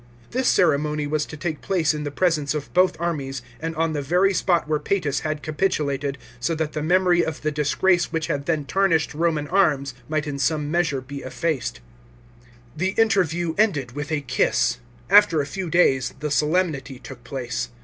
This ceremony was to take place in the presence of both armies and on the very spot where Pasrtus had capitulated, so that the memory of the disgrace which had then tarnished Roman arms might in some measure be effaced. The interview ended with a kiss. After a few days, the solemnity took place.